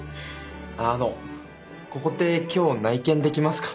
あのここって今日内見できますか？